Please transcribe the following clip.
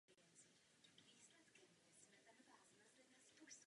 Dále přichází na řadu samotná tvorba předmětů.